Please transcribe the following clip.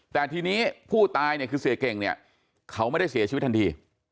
แต่ทีนี้ผู้ตายเนี่ยคือเสียเก่งเนี่ยเขาไม่ได้เสียชีวิตทันที